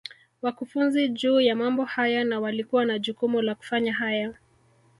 wakufunzi juu ya mambo haya na walikuwa na jukumu la kufanya haya